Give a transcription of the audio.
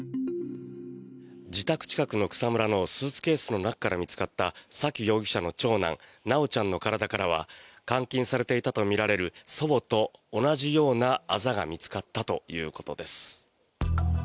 自宅近くの草むらのスーツケースの中から見つかった沙喜容疑者の長男修ちゃんの体からは監禁されていたとみられる祖母と同じようなあざが見つかったということです。